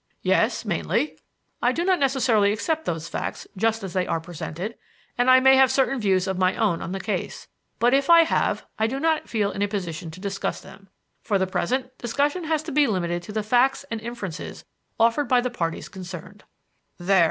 "Yes, mainly. I do not necessarily accept those facts just as they are presented, and I may have certain views of my own on the case. But if I have, I do not feel in a position to discuss them. For the present, discussion has to be limited to the facts and inferences offered by the parties concerned." "There!"